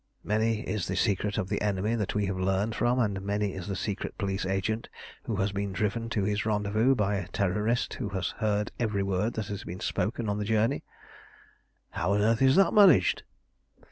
Many is the secret of the enemy that we have learnt from, and many is the secret police agent who has been driven to his rendezvous by a Terrorist who has heard every word that has been spoken on the journey." "How on earth is that managed?"